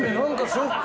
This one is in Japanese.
ショック？